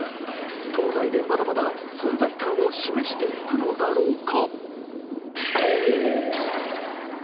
党内でまだまだ存在感を示していくのだろうか。